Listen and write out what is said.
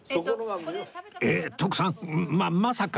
えっ徳さんままさか